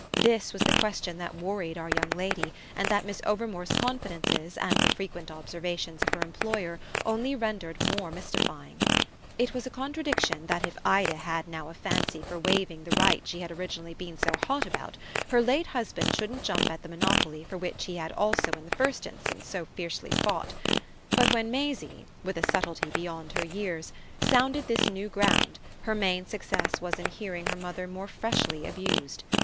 This was the question that worried our young lady and that Miss Overmore's confidences and the frequent observations of her employer only rendered more mystifying. It was a contradiction that if Ida had now a fancy for waiving the rights she had originally been so hot about her late husband shouldn't jump at the monopoly for which he had also in the first instance so fiercely fought; but when Maisie, with a subtlety beyond her years, sounded this new ground her main success was in hearing her mother more freshly abused.